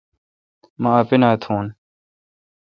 مہ اپینا تھون۔